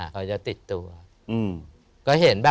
โปรดติดตามต่อไป